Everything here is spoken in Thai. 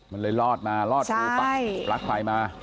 มันเลยรอดมารอดงูไปปลั๊กไฟมา